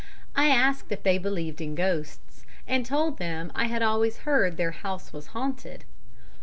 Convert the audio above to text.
I asked if they believed in ghosts, and told them I had always heard their house was haunted.